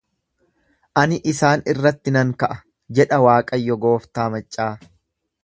Ani isaan irratti nan ka’a jedha Waaqayyo gooftaa maccaa.